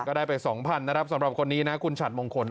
ได้ไป๒๐๐๐นะครับสำหรับคนนี้นะคุณฉัดมงคล